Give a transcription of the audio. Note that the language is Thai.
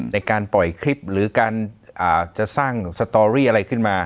ในการปล่อยคลิปหรือการจะสร้างสตอรี่อะไรขึ้นมา